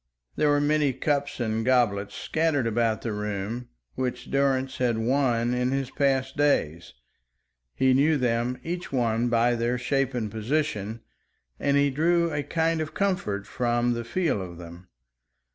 There were many cups and goblets scattered about the room, which Durrance had won in his past days. He knew them each one by their shape and position, and he drew a kind of comfort from the feel of them.